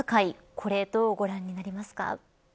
これどうご覧になりますか。